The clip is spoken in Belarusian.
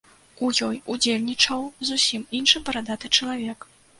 У ёй удзельнічаў зусім іншы барадаты чалавек.